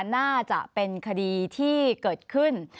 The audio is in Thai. น่าจะเป็นคดีที่เกิดขึ้น